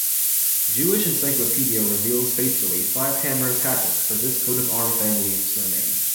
Jewish Encyclopedia reveals faithfully five hammers hatchets for this Coat of Arm family's surname.